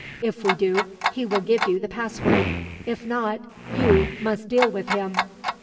If we do, he will give you the password. If not, you must deal with him.